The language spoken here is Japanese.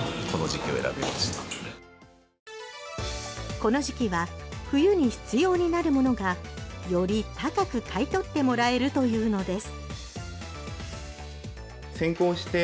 この時期は冬に必要になるものがより高く買い取ってもらえるというのです。